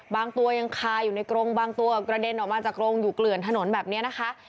บางตัวยังคาอยู่ในกรงบางตัวกระเด็นออกมาจากกรงอยู่เกลื่อนถนนแบบนี้นะคะ